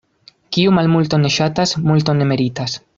Kiu malmulton ne ŝatas, multon ne meritas.